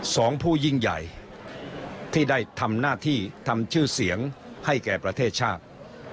สองผู้ยิ่งใหญ่ที่ได้ทำหน้าที่ทำชื่อเสียงให้แก่ประเทศชาติ